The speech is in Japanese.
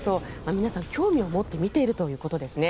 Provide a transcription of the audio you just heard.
皆さん興味を持って見ているということですね。